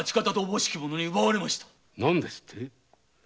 何ですって？